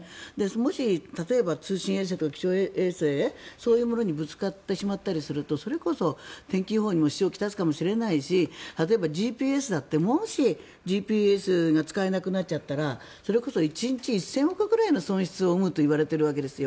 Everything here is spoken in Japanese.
もし例えば通信衛星とか気象衛星そういうものにぶつかったりするとそれこそ天気予報にも支障を来すかもしれないしＧＰＳだってもし、ＧＰＳが使えなくなっちゃったらそれこそ１日１０００億円ぐらいの損失を生むといわれているんですよ。